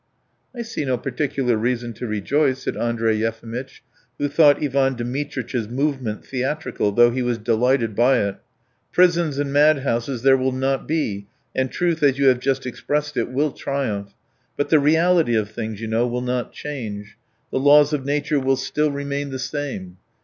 "I see no particular reason to rejoice," said Andrey Yefimitch, who thought Ivan Dmitritch's movement theatrical, though he was delighted by it. "Prisons and madhouses there will not be, and truth, as you have just expressed it, will triumph; but the reality of things, you know, will not change, the laws of nature will still remain the same.